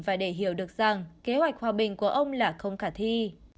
và để hiểu được rằng kế hoạch hòa bình của ông là không khả thi